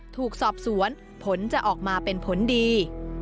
ถูกสอบสวนผลจะออกมาเป็นผลดี